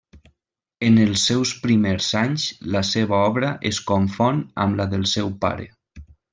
En els seus primers anys la seva obra es confon amb la del seu pare.